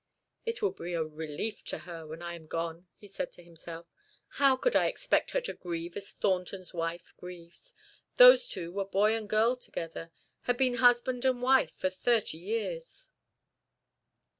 "It will be a relief to her when I am gone," he said to himself. "How could I expect her to grieve as Thornton's wife grieves? Those two were boy and girl together, had been husband and wife for thirty years."